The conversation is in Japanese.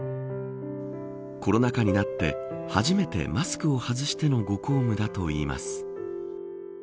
コロナ禍になって初めてマスクを外してのご公務だといいます。